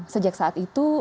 sejak saat itu